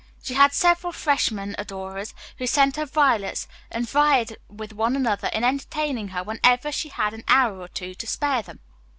She had several freshmen adorers, who sent her violets and vied with one another in entertaining her whenever she had an hour or two to spare them.